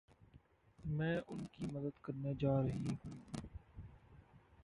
मैं उनकी मदद करने जा रही हूँ।